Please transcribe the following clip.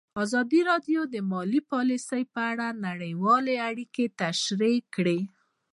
ازادي راډیو د مالي پالیسي په اړه نړیوالې اړیکې تشریح کړي.